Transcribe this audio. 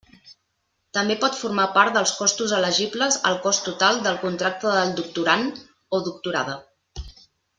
També pot formar part dels costos elegibles el cost total del contracte del doctorand o doctoranda.